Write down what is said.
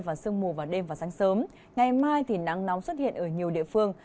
và sương mù vào đêm và sáng sớm ngày mai thì nắng nóng xuất hiện ở nhiều địa phương